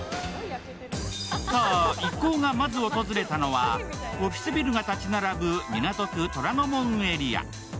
さあ、一行がまず訪れたのはオフィスビルが立ち並ぶ港区虎ノ門エリア。